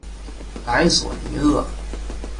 莱索蒂厄。